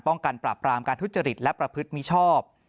การปราบปรามการทุจริตและประพฤติมิชอบ